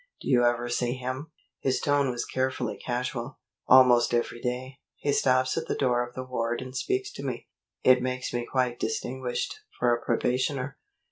Do you ever see him?" His tone was carefully casual. "Almost every day. He stops at the door of the ward and speaks to me. It makes me quite distinguished, for a probationer.